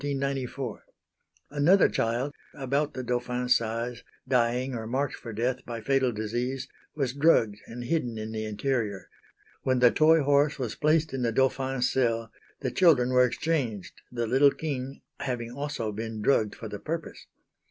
Another child about the Dauphin's size, dying or marked for death by fatal disease, was drugged and hidden in the interior. When the toy horse was placed in the Dauphin's cell the children were exchanged, the little king having also been drugged for the purpose.